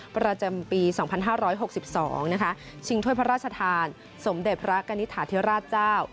ประจำปี๒๕๖๒นะคะชิงถ้วยพระราชทานสมเด็จพระกณิตฐาธิราชเจ้า